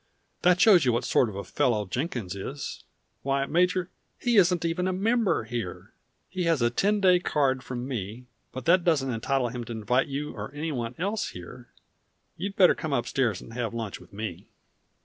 "That shows you what sort of fellow Jenkins is. Why, Major, he isn't even a member here! He has a ten day card from me; but that doesn't entitle him to invite you or anybody else here. You'd better come upstairs and have lunch with me."